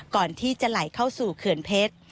ก่อนที่จะไหลเข้าสู่เขื่อนเพชร